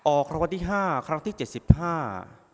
ออกคำวัติห้าครั้งที่เจ็ดสิบห้า